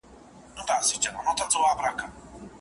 برج دي تر آسمانه، سپي دي له لوږي مري.